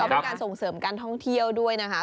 เป็นการส่งเสริมการท่องเที่ยวด้วยนะคะ